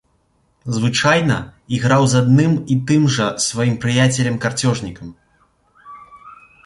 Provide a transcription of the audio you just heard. Звычайна іграў з адным і тым жа сваім прыяцелем-карцёжнікам.